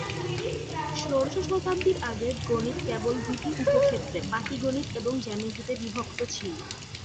ষোড়শ শতাব্দীর আগে, গণিত কেবল দুটি উপ-ক্ষেত্র, পাটিগণিত এবং জ্যামিতিতে বিভক্ত ছিল।